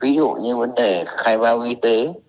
ví dụ như vấn đề khai bao y tế